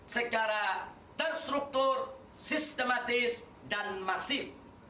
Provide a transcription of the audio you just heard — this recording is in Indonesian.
secara terstruktur sistematis dan masif